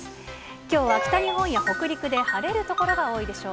きょうは北日本や北陸で晴れる所が多いでしょう。